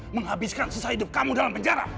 menghabiskan sisa hidup kamu dalam penjara